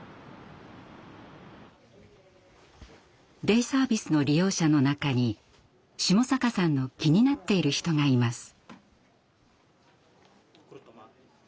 デイサービスの利用者の中に下坂さんの気になっている人がいます。